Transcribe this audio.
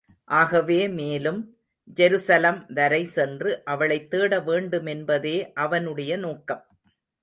ஆகவே மேலும், ஜெருசலம் வரை சென்று அவளைத் தேட வேண்டுமென்பதே அவனுடைய நோக்கம்.